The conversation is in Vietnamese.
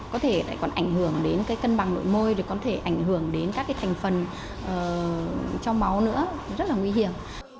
có thể còn ảnh hưởng đến cân bằng nội môi có thể ảnh hưởng đến các thành phần trong máu nữa rất là nguy hiểm